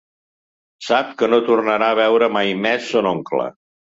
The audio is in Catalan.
Sap que no tornarà a veure mai més son oncle.